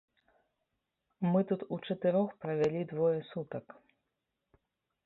Мы тут учатырох правялі двое сутак.